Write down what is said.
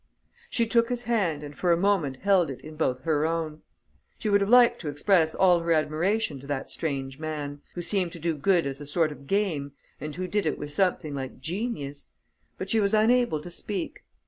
She took his hand and for a moment held it in both her own. She would have liked to express all her admiration to that strange man, who seemed to do good as a sort of game and who did it with something like genius. But she was unable to speak.